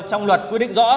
trong luật quy định rõ